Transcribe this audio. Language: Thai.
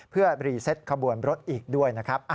เพื่อรีเซตขบวนรถอีกด้วยนะครับ